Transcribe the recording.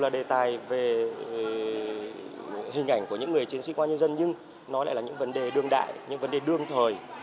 mặc dù là đề tài về hình ảnh của những người chiến sĩ công an nhân dân nhưng nó lại là những vấn đề đương đại những vấn đề đương thời